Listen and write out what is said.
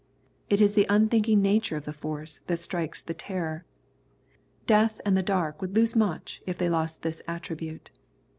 It is the unthinking nature of the force that strikes the terror. Death and the dark would lose much if they lost this attribute.